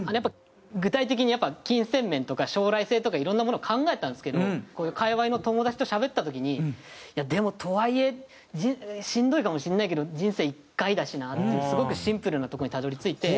具体的にやっぱ金銭面とか将来性とかいろんなものを考えたんですけどこういう界隈の友達としゃべった時にでもとはいえしんどいかもしれないけど人生１回だしなっていうすごくシンプルなとこにたどり着いて。